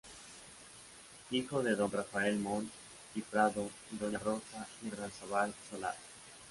Hijo de don Rafael Montt y Prado y doña Rosa Irarrázaval Solar.